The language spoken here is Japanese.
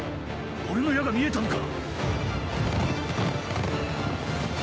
俺の矢が見えたのか？